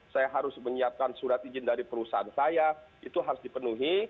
saya harus menyiapkan surat izin dari perusahaan saya itu harus dipenuhi